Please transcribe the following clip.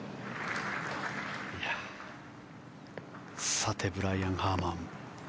さて、ブライアン・ハーマン。